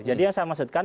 jadi yang saya maksudkan